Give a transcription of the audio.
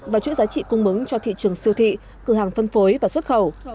và chuỗi giá trị cung mứng cho thị trường siêu thị cửa hàng phân phối và xuất khẩu